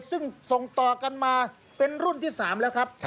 ซึ่งส่งต่อกันมาเป็นรุ่นที่๓แล้วครับ